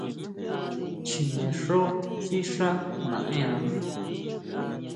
Chinexjó sixá naʼenna.